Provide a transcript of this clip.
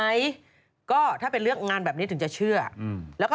โอลี่คัมรี่ยากที่ใครจะตามทันโอลี่คัมรี่ยากที่ใครจะตามทัน